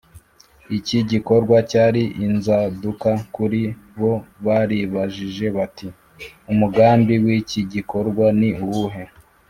iki gikorwa cyari inzaduka kuri bo baribajije bati: umugambi w’iki gikorwa ni uwuhe